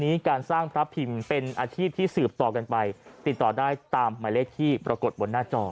การสร้างพระพิมพ์เป็นอาชีพที่สืบต่อกันไปติดต่อได้ตามหมายเลขที่ปรากฏบนหน้าจอ